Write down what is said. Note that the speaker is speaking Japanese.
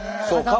そう。